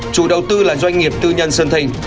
chủ đầu tư là doanh nghiệp tư nhân sơn thình